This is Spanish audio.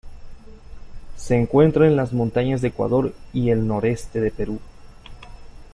Se encuentra en las montañas de Ecuador y el noroeste de Perú.